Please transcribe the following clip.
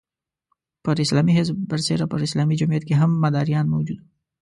پر اسلامي حزب برسېره په اسلامي جمعیت کې هم مداریان موجود وو.